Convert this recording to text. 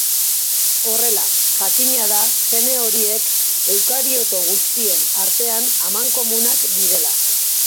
Horrela, jakina da gene horiek eukarioto guztien artean amankomunak direla.